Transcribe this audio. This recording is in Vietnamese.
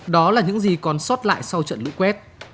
đó là những gì còn sót lại sau trận lũ quét